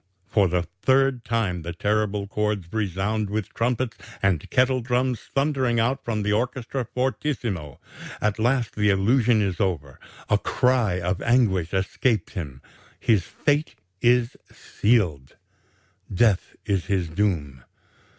"For the third time the terrible chords resound with trumpets and kettle drums thundering out from the orchestra fortissimo. At last the illusion is over. A cry of anguish escapes him. His fate is sealed. Death is his doom.